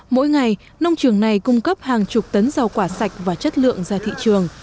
mỗi ngày nông trường này cung cấp hàng chục tấn rau quả sạch và chất lượng ra thị trường